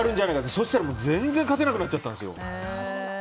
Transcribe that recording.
そしたら全然勝てなくなっちゃったんです。